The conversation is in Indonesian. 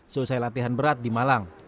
selesai latihan berat di malang